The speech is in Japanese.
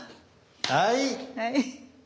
はい。